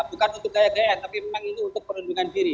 bukan untuk gaya gf tapi memang itu untuk perlindungan diri